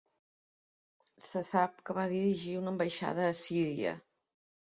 Se sap que va dirigir una ambaixada a Assíria.